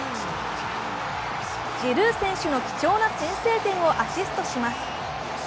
ジルー選手の貴重な先取点をアシストします。